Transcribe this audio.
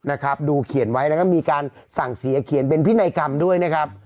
นะครับดูเขียนไว้แล้วก็มีการสั่งเสียเขียนเป็นพินัยกรรมด้วยนะครับ